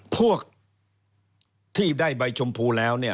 พวกที่ได้ใบชมพูแล้ว